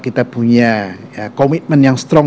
kita punya komitmen yang strong